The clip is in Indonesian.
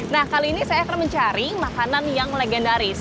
nah kali ini saya akan mencari makanan yang legendaris